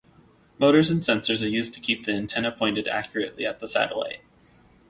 Motors and sensors are used to keep the antenna pointed accurately at the satellite.